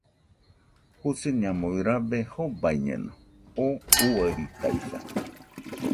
Jusiñamui rabe jobaiñeno, oo uairitaisa